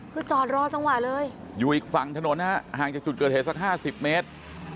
คือจอดรอจังหวะเลยอยู่อีกฝั่งถนนนะฮะห่างจากจุดเกิดเหตุสัก๕๐เมตร